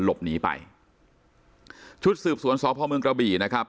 หลบหนีไปชุดสืบสวนสพเมืองกระบี่นะครับ